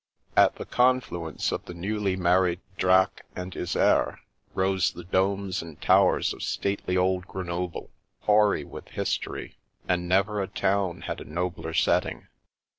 At the confluence of the newly married Drac and Iserc rose the domes and towers of stately old Grenoble, hoary with history; and never a town had a nobler setting.